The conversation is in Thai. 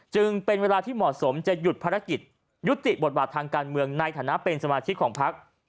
จึงเป็นเวลาที่เหมาะสมจะหยุดภารกิจยุติบทบาททางการเมืองในฐานะเป็นสมาชิกของพัก